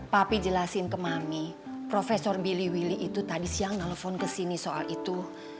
papi jelasin ke mami profesor billy willy itu tadi siang nelfon kesini soal itu